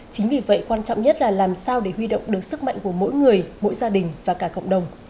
chính vì vậy quan trọng nhất là làm sao để huy động được sức mạnh của mỗi người mỗi gia đình và cả cộng đồng